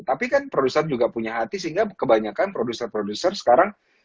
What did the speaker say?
tapi kan produser juga punya hati sehingga kebanyakan produser produser sekarang